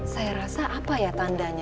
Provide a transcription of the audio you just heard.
saya rasa apa ya tandanya